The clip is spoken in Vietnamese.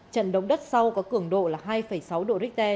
trận động đất sau có cường độ là hai sáu độ richter